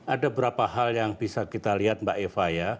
ada beberapa hal yang bisa kita lihat mbak eva ya